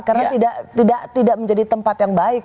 karena tidak menjadi tempat yang baik